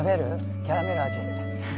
キャラメル味